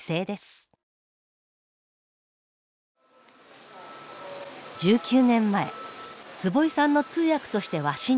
１９年前坪井さんの通訳としてワシントンを訪れた小倉さん。